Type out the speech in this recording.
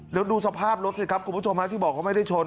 เดี๋ยวดูสภาพรถสิครับคุณผู้ชมที่บอกว่าไม่ได้ชน